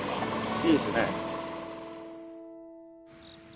いいですね。